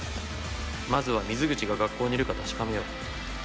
まずは水口が学校にいるか確かめよう。